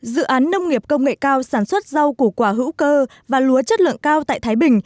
dự án nông nghiệp công nghệ cao sản xuất rau củ quả hữu cơ và lúa chất lượng cao tại thái bình